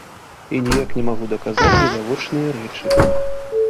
І ніяк не магу даказаць відавочныя рэчы.